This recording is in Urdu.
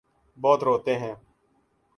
بہت روتے ہیں۔